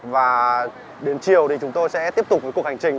và đến chiều thì chúng tôi sẽ tiếp tục với cuộc hành trình